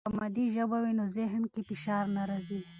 که مادي ژبه وي، نو ذهن کې فشار نه راځي.